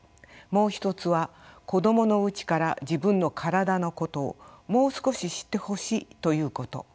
もう一つは子どものうちから自分の体のことをもう少し知ってほしいということ。